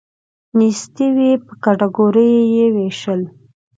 نیستي وی په کټګوریو یې ویشل.